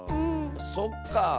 そっかあ。